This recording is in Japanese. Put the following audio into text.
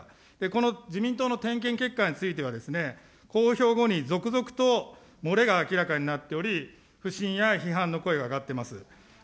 この自民党の点検結果については、公表後に続々と漏れが明らかになっており、不信や批判の声が上がってます。